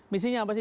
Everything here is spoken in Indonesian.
misinya apa sih